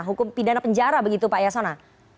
hukum pidana penjara begitu pak yasona